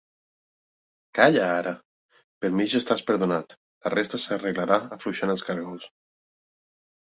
Calla ara! Per mi ja estàs perdonat; la resta s'arreglarà afluixant els caragols.